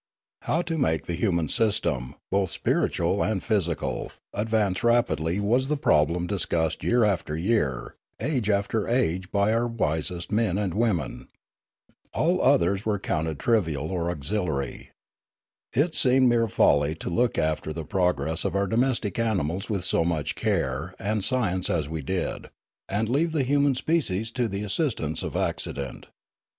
How to make the human system, both spiritual and physical, advance rapidly was the problem discussed year after year, age after age by our wisest men and women. All others were counted trivial or 26 402 Riallaro auxiliary. It seemed mere folly to look after the pro gress of our domestic animals with so much care and science as we did, and leave the human species to the assistance of accident.